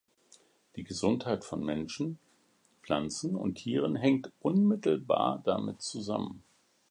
Die Gesundheit von Menschen, Pflanzen und Tieren hängt unmittelbar damit zusammen.